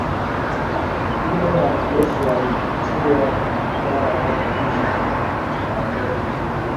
yule mwanajeshi alilipia bidhaa yake kisha akaondoka